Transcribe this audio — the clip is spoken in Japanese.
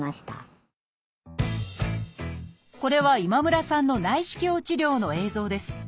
これは今村さんの内視鏡治療の映像です。